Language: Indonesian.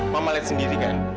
mama lihat sendiri kan